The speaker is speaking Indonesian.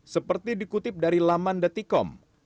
seperti dikutip dari laman detikom